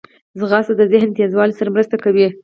ځغاسته د ذهن تیزوالي سره مرسته کوي